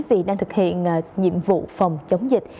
vì đang thực hiện nhiệm vụ phòng chống dịch